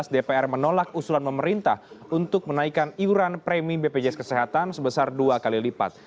dpr menolak usulan pemerintah untuk menaikkan iuran premi bpjs kesehatan sebesar dua kali lipat